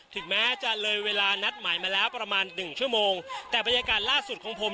ถึงแม้จะเลยเวลานัดหมายมาแล้วประมาณหนึ่งชั่วโมงแต่บรรยากาศล่าสุดของผม